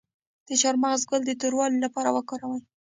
د چارمغز ګل د توروالي لپاره وکاروئ